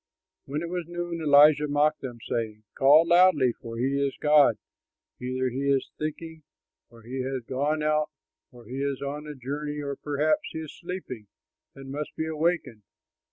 When it was noon, Elijah mocked them, saying, "Call loudly, for he is a god; either he is thinking, or he has gone out, or he is on a journey, or perhaps he is sleeping and must be awakened!"